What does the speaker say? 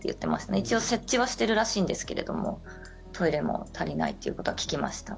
一応、設置はしてるらしいんですけれどもトイレも足りないっていうことは聞きました。